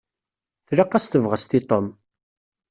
Tlaq-as tebɣest i Tom.